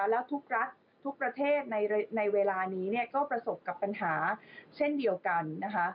และทุกรัฐทุกประเทศในเวลานี้ก็ประสบกับปัญหาเช่นเดียวกัน